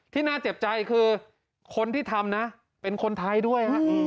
น่าเจ็บใจคือคนที่ทำนะเป็นคนไทยด้วย